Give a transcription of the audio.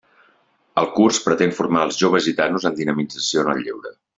El curs pretén formar els joves gitanos en dinamització en el lleure.